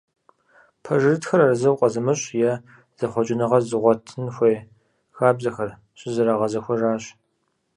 Пэжырытхэм арэзы укъэзымыщӏ, е зэхъуэкӏыныгъэ зыгъуэтын хуей хабзэхэр щызэрагъэзэхуэжащ.